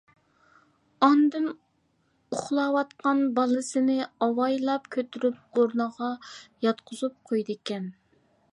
ئاندىن ئۇخلاۋاتقان بالىسىنى ئاۋايلاپ كۆتۈرۈپ ئورنىغا ياتقۇزۇپ قويىدىكەن.